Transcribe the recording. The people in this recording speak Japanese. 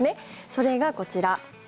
それがこちら。